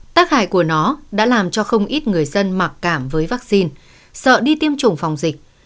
tác hại của nó đã làm cho không ít người dân mặc cảm với vaccine sợ đi tiêm chủng phòng dịch